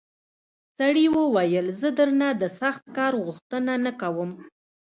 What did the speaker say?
سړي وویل زه درنه د سخت کار غوښتنه نه کوم.